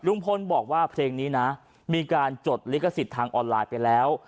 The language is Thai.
ลุงพลบอกว่าเพลงนี้นะมีการจดลิขสิทธิ์ทางออนไลน์ไปแล้ว